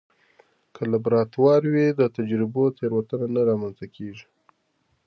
که لابراتوار وي، د تجربو تېروتنه نه رامنځته کېږي.